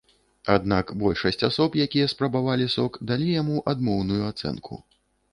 Аднак большасць асоб, якія спрабавалі сок, далі яму адмоўную ацэнку.